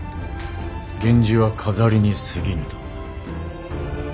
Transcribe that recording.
源氏は飾りにすぎぬと。